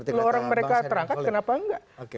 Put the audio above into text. kalau orang mereka terangkat kenapa enggak